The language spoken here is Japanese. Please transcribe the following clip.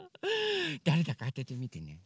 だれだかあててみてね。